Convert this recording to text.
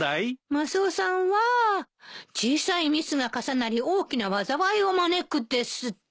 マスオさんは「小さいミスが重なり大きな災いを招く」ですって。